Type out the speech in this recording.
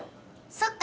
そっか。